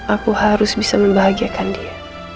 aku harus bisa membahagiakan dia